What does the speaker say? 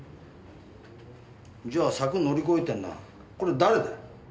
じゃあ柵乗り越えてるのはこれ誰だよ？